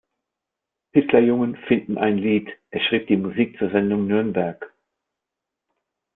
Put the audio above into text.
Hitlerjungen finden ein Lied", er schrieb die Musik zur Sendung "Nürnberg.